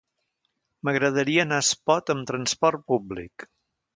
M'agradaria anar a Espot amb trasport públic.